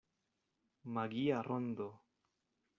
Magia rondo.